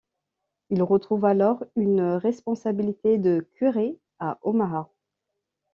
Il retrouve alors une responsabilité de curé à Omaha.